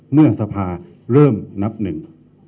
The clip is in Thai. เมื่อสภาเริ่มนับหนึ่ง